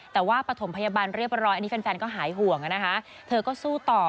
แต่ว่าปฐมพยาบาลเรียบร้อยอันนี้แฟนก็หายห่วงนะคะเธอก็สู้ต่อ